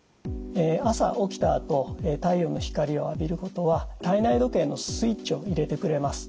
朝起きたあと太陽の光を浴びることは体内時計のスイッチを入れてくれます。